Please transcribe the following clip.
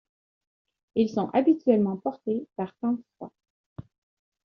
Ils sont habituellement portés par temps froid.